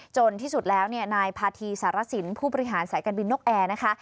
ที่สุดแล้วนายพาธีสารสินผู้บริหารสายการบินนกแอร์นะคะ